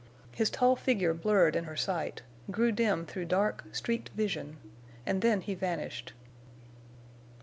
His tall figure blurred in her sight, grew dim through dark, streaked vision, and then he vanished.